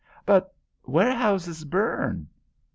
"But warehouses burn."